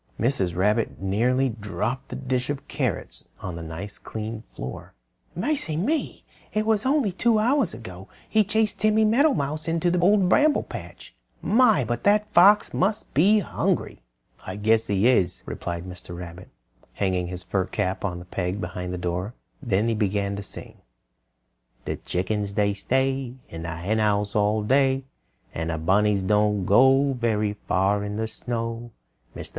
Mrs. Rabbit nearly dropped the dish of carrots on the nice clean floor. "Mercy me! It was only about two hours ago he chased Timmy Meadowmouse into the Old Bramble Patch. My! but that old fox must be hungry!" "I guess he is," replied Mr. Rabbit, hanging his fur cap on a peg behind the door. Then he began to sing: "The chickens they stay In the Henhouse all day; And the bunnies don't go Very far in the snow. "Mr.